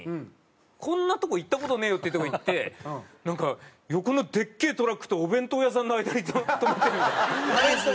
こんなとこ行った事ねえよっていうとこ行ってなんか横のでっけえトラックとお弁当屋さんの間に止まってるみたいな。